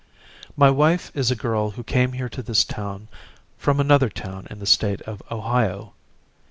My wife is a girl who came here to this town from another town in the state of Ohio.